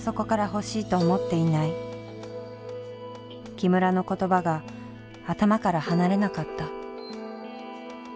木村の言葉が頭から離れなかった。